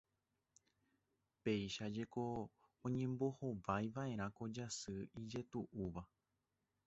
Péichajeko oñembohovaiva'erã ko jasy ijetu'úva.